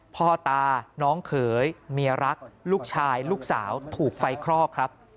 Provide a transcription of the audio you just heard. พ่อตาน้องเขยเมียรักลูกชายลูกสาวถูกไฟคลอกครับ